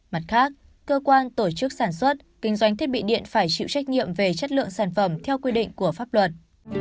mặt khác cơ quan tổ chức sản xuất kinh doanh thiết bị điện phải chịu trách nhiệm về chất lượng sản phẩm theo quy định của pháp luật